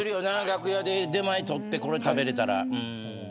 楽屋で出前を取ってこれ食べれたら。